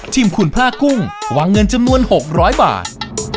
ขุนพระกุ้งวางเงินจำนวน๖๐๐บาท